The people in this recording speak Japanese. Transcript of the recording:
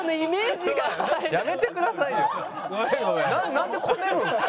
なんでこねるんですか。